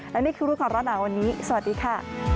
และนี่คือรูปของเราหนังวันนี้สวัสดีค่ะ